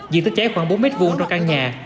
diện tích cháy khoảng bốn m hai trong căn nhà